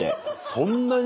そんなに？